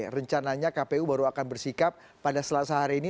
rencananya kpu baru akan bersikap pada selasa hari ini